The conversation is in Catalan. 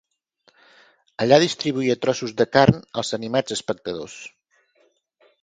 Allà distribuïa trossos de carn als animats espectadors.